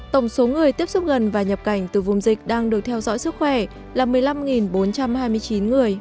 tổng số người tiếp xúc gần và nhập cảnh từ vùng dịch đang được theo dõi sức khỏe là một mươi năm bốn trăm hai mươi chín người